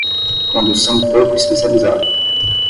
Condução pouco especializada